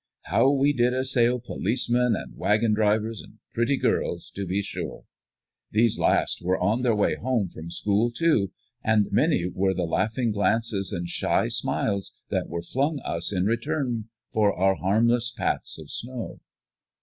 How we did assail policemen and wagon drivers and pretty girls, to be sure! These last were on their way home from school, too, and many were the laughing glances and shy smiles that were flung us in return for our harmless pats of snow.